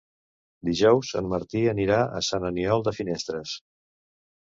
Dijous en Martí anirà a Sant Aniol de Finestres.